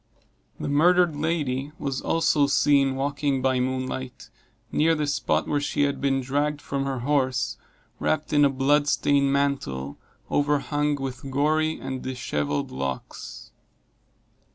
The murdered lady was also seen walking by moonlight, near the spot where she had been dragged from her horse, wrapped in a blood stained mantle, overhung with gory and dishevelled locks.